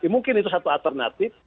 mungkin itu satu alternatif